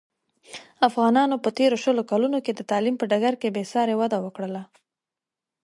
افغانانو په تېرو شلو کلونوکې د تعلیم په ډګر کې بې ساري وده وکړله.